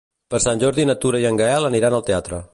Per Sant Jordi na Tura i en Gaël aniran al teatre.